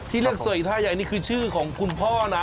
เรียกเสยท่าใหญ่นี่คือชื่อของคุณพ่อนะ